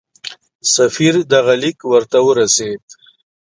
سفیر دغه لیک ورته ورسېد.